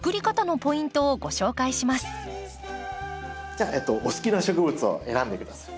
じゃあお好きな植物を選んで下さい。